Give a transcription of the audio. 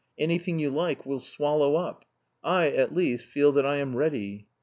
Anything you like we'll swallow up. I, at least, feel that I am ready.